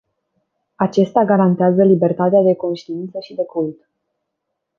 Acesta garantează libertatea de conștiință și de cult.